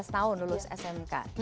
lima belas tahun lulus smk